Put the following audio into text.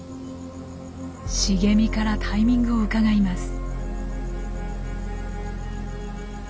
茂みからタイミングをうかがいます。